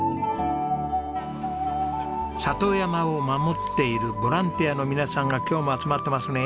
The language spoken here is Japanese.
里山を守っているボランティアの皆さんが今日も集まってますね。